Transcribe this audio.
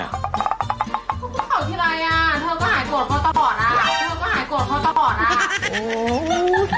แล้วเพื่อขบที่อะไรเนี่ย